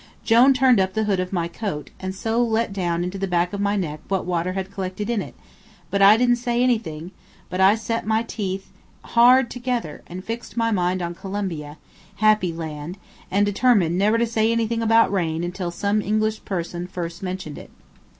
Jone turned up the hood of my coat, and so let down into the back of my neck what water had collected in it; but I didn't say anything, but set my teeth hard together and fixed my mind on Columbia, happy land, and determined never to say anything about rain until some English person first mentioned it.